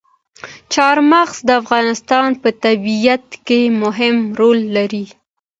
چار مغز د افغانستان په طبیعت کې مهم رول لري.